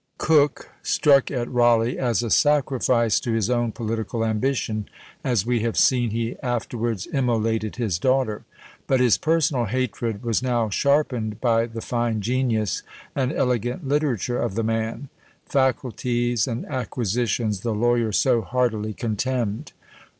Coke struck at Rawleigh as a sacrifice to his own political ambition, as we have seen he afterwards immolated his daughter; but his personal hatred was now sharpened by the fine genius and elegant literature of the man; faculties and acquisitions the lawyer so heartily contemned!